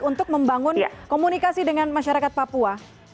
untuk membangun komunikasi dengan masyarakat papua